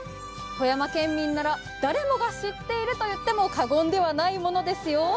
富山県民なら誰もが知っていると言っても過言ではないものですよ。